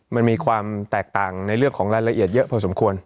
มันมีความแตกต่างในเรื่องของรายละเอียดเยอะพอสมควร